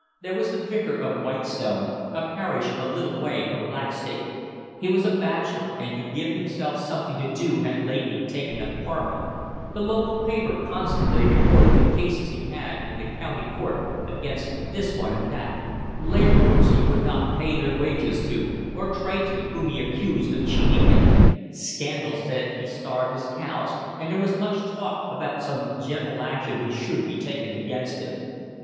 There was the Vicar of Whitestone, a parish a little way from Blackstable: he was a bachelor and to give himself something to do had lately taken up farming: the local paper constantly reported the cases he had in the county court against this one and that, labourers he would not pay their wages to or tradesmen whom he accused of cheating him; scandal said he starved his cows, and there was much talk about some general action which should be taken against him.